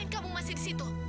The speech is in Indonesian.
hei kenapa kamu masih di sana